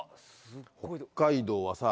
北海道はさ